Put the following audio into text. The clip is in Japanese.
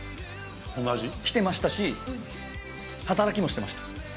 この味？来てましたし、働きもしてました。